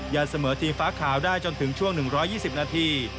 ันเสมอทีมฟ้าขาวได้จนถึงช่วง๑๒๐นาที